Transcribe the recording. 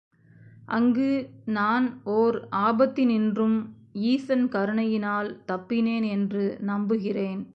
அங்கு நான் ஓர் ஆபத்தினின்றும் ஈசன் கருணையினால் தப்பினேன் என்று நம்புகிறேன்.